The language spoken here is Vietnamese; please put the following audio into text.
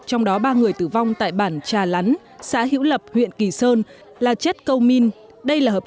trong đó ba người tử vong tại bản trà lán xã hữu lập huyện kỳ sơn là chất câu min đây là hợp